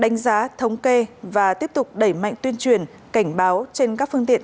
phá thống kê và tiếp tục đẩy mạnh tuyên truyền cảnh báo trên các phương tiện